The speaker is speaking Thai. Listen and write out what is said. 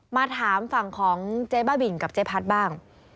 มาถามฝั่งของเจ๊บ้าบินกับเจ๊พัดบ้าง